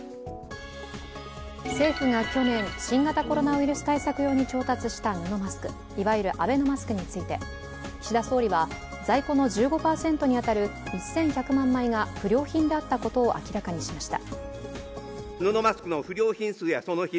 政府が去年、新型コロナウイルス対策用に調達した布マスク、いわゆるアベノマスクについて、岸田総理は在庫の１５％に当たる１１００万枚が不良品であったことを明らかにしました。